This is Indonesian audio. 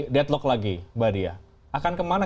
deadlock lagi mbak dia akan kemana